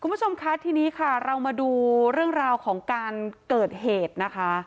คุณผู้ชมคะทีนี้ค่ะเรามาดูเรื่องราวของการเกิดเหตุนะคะ